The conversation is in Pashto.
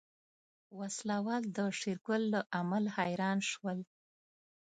وسله وال د شېرګل له عمل حيران شول.